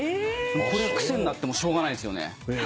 これは癖になってしょうがないですよね。